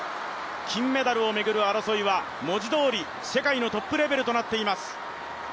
金メダルを巡る争いは文字どおり世界のトップレベルになっています。